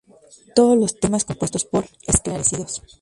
Todos los temas compuestos por Esclarecidos.